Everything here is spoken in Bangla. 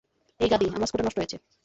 এই গাধি, আমার স্কুটার নষ্ট হয়েছে।